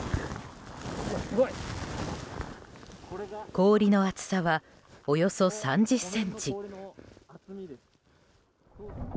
氷の厚さはおよそ３０ｃｍ。